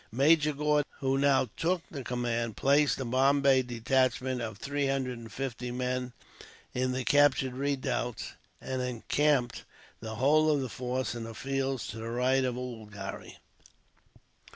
Major Gordon, who now took the command, placed the Bombay detachment, of three hundred and fifty men, in the captured redoubts; and encamped the whole of the force in the fields to the right of Oulgarry.